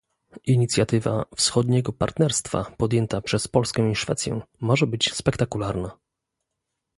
Inicjatywa "Wschodniego partnerstwa" podjęta przez Polskę i Szwecję może być spektakularna